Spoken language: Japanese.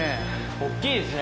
大っきいですね。